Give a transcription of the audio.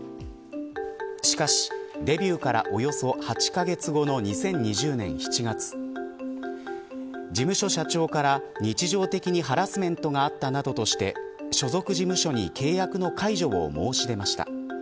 しかし、デビューからおよそ８カ月後の２０２０年７月事務所社長から、日常的にハラスメントがあったなどとして所属事務所に契約の解除を申し出ました。